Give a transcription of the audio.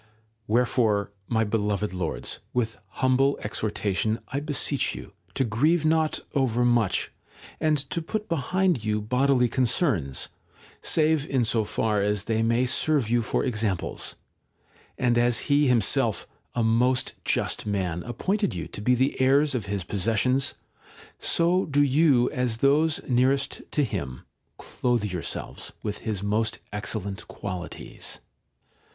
Wherefore, my beloved Lords, with humble exhortation I beseech you to grieve not overmuch, and to put behind you bodily concerns, save in so far as they may serve you for examples ; and as he himself, a most just man, appointed you to be the heirs of his possessions, so do you, as those nearest to him, clothe yourselves with his most excellent qualities.